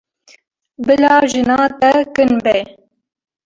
Bila jina te kin be.